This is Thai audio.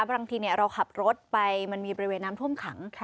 บางทีเราขับรถไปมันมีบริเวณน้ำท่วมขัง